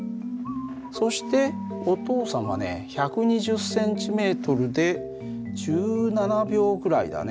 そしてお父さんはね１２０ｃｍで１７秒ぐらいだね。